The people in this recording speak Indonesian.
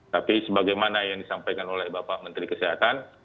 tapi sebagaimana yang disampaikan oleh bapak menteri kesehatan